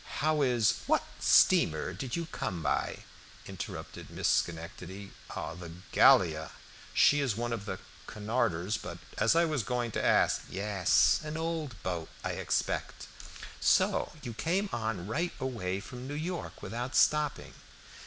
How is" "What steamer did you come by?" interrupted Miss Schenectady. "The Gallia. She is one of the Cunarders. But as I was going to ask" "Yes, an old boat, I expect. So you came on right away from New York without stopping?"